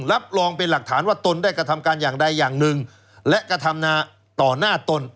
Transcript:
รับรองเป็นหลักฐานว่าตนได้กระทำการอย่างใดอย่างหนึ่งและกระทำนาต่อหน้าตน